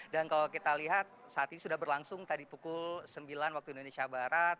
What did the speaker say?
dan kalau kita lihat saat ini sudah berlangsung tadi pukul sembilan waktu indonesia barat